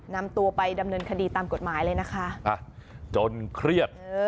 นำตัวไปดำเนินคดีตามกฎหมายเลยนะคะจนเครียด